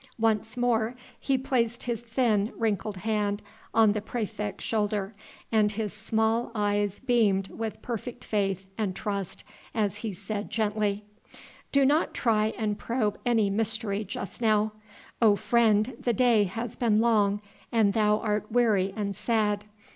Once more he placed his thin, wrinkled hand on the praefect's shoulder, and his small eyes beamed with perfect faith and trust as he said gently: "Do not try and probe any mystery just now, O friend, the day has been long and thou art weary and sad.